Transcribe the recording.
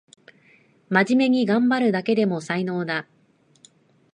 まじめにがんばるだけでも才能だ